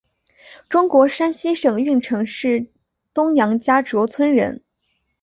中国山西省运城市东杨家卓村人。